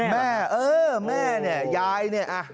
แม่เนี่ยยายเนี่ย